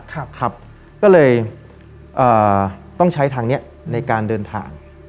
ก็เลยเอ่อต้องใช้ทางนี้ในการเดินทาง